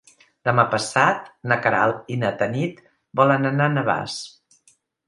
Demà passat na Queralt i na Tanit volen anar a Navàs.